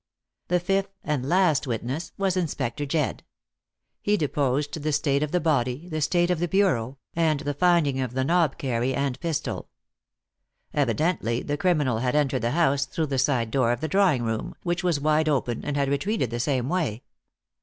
The fifth and last witness was Inspector Jedd. He deposed to the state of the body, the state of the bureau, and the finding of the knobkerrie and pistol. Evidently the criminal had entered the house through the side door of the drawing room, which was wide open, and had retreated the same way.